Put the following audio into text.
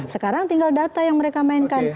sekarang tinggal data yang mereka mainkan